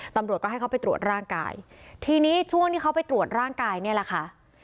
ตำรวจก็ให้เขาไปตรวจร่างกายทีนี้ช่วงที่เขาไปตรวจร่างกายเนี่ยแหละค่ะ